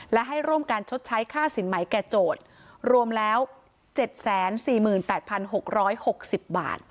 และให้ร่วมการชดใช้ค่าสินไหมแก่โจทย์รวมแล้วเจ็ดแสนสี่หมื่นแปดพันหกร้อยหกสิบบาท